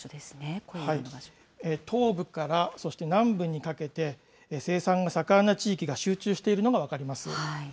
東部から南部にかけて、生産が盛んな地域が集中しているのが分かります。